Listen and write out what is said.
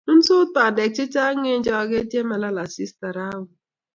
Nunsot bandek che chang' eng' choget ye malal asista rauni